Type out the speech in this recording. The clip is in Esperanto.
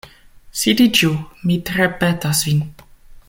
Sidiĝu, mi tre petas vin.